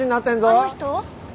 あの人？